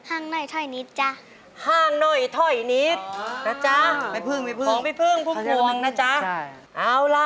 ห้างหน่อยถอยนิดจ๊ะ